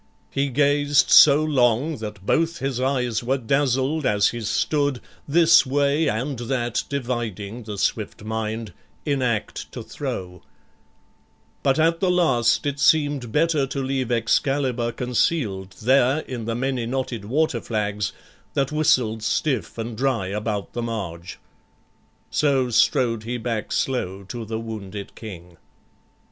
He gazed so long That both his eyes were dazzled as he stood, This way and that dividing the swift mind, In act to throw: but at the last it seem'd Better to leave Excalibur conceal'd There in the many knotted water flags, That whistled stiff and dry about the marge. So strode he back slow to the wounded King.